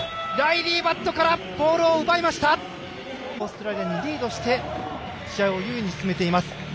オーストラリアにリードして試合を優位に進めています。